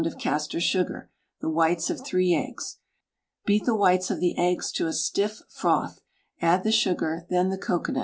of castor sugar, the whites of 3 eggs. Beat the whites of the eggs to a stiff froth, add the sugar, then the cocoanut.